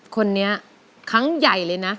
คนนี้ครั้งใหญ่เลยนะ